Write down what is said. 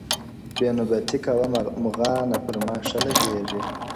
بې نوبتي کوه مُغانه پر ما ښه لګیږي -